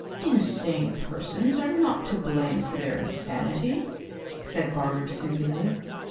"Insane persons are not to blame for their insanity," said Barter soothingly.